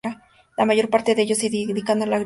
La mayor parte de ellos se dedican a la agricultura.